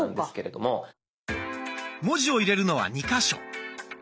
文字を入れるのは２か所。